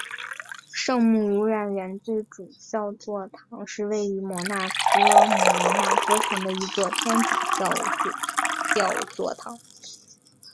圣母无染原罪主教座堂是位于摩纳哥摩纳哥城的一座天主教主教座堂。